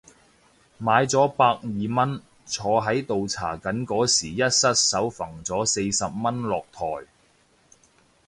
買咗百二蚊，坐喺度搽緊嗰時一失手揈咗四十蚊落枱